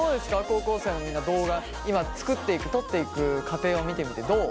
高校生のみんな動画今作っていく撮っていく過程を見てみてどう？